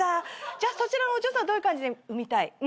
じゃあそちらのお嬢さんどういう感じで産みたい？